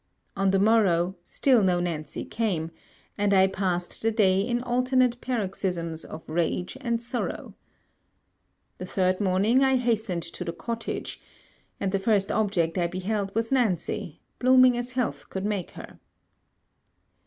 On the morrow, still no Nancy came; and I passed the day in alternate paroxysms of rage and sorrow. The third morning I hastened to the cottage; and the first object I beheld was Nancy blooming as health could make her.